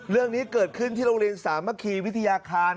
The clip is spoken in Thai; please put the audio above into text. เรื่องนี้เกิดขึ้นที่โรงเรียนสามัคคีวิทยาคาร